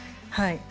はい